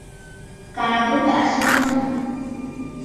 Kaa bì ghàʼà sɨ̀ bɔŋə̀.